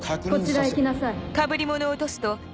こちらへ来なさい。